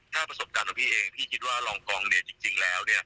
ถ้าผสบการณ์ของพี่เองพี่คิดว่าโรงกองเหลือกี่จริงแล้ว